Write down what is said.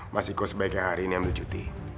mas iko sebaiknya hari ini ambil cuti